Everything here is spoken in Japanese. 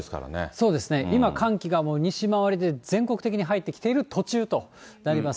そうですね、今、寒気が西回りで全国的に入ってきている途中となります。